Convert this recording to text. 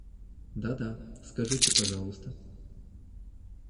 Да-да, скажите пожалуйста.